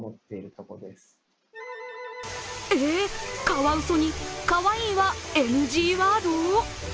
カワウソに、かわいいはＮＧワード？